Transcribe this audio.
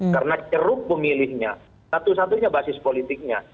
karena ceruk pemilihnya satu satunya basis politiknya